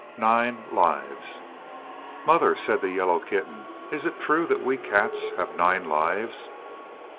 Nine Lives "MOTHER," said the yellow kitten, "is it true that we cats have nine lives?"